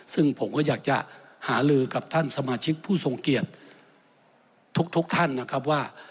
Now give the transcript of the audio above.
ซึ่งผมก็อยากจะหาลือกับท่านสมาชิกผู้ทรงเกียจทุกท่านนะครับว่า